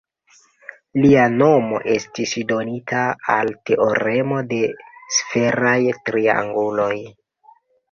Lia nomo estis donita al teoremo de sferaj trianguloj.